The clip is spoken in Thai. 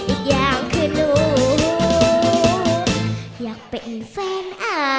อีกอย่างคือลูกอยากเป็นแฟนอา